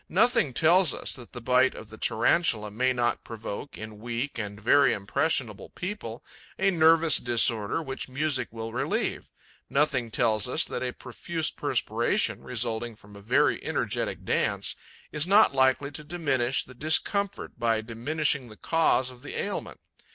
Nothing tells us that the bite of the Tarantula may not provoke, in weak and very impressionable people, a nervous disorder which music will relieve; nothing tells us that a profuse perspiration, resulting from a very energetic dance, is not likely to diminish the discomfort by diminishing the cause of the ailment.